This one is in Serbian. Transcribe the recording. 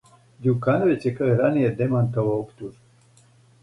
Ђукановић је, као и раније, демантовао оптужбе.